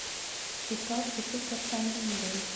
کتاب د فکر تمرین دی.